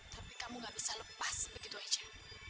tapi kamu gak bisa lepas begitu aja